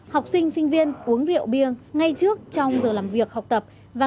học sinh sinh viên uống rượu bia ngay trước trong giờ làm việc học tập và